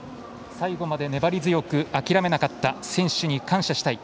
最後まで粘り強く諦めなかった選手に感謝したい。